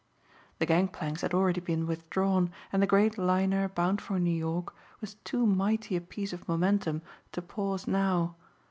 The gangplanks had already been withdrawn and the great liner bound for New York was too mighty a piece of momentum to pause now.